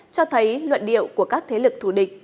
cho thấy luận điệu của các thế lực thù địch